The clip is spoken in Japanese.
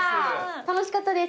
楽しかったです。